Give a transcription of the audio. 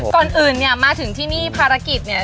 ก่อนอื่นเนี่ยมาถึงที่นี่ภารกิจเนี่ย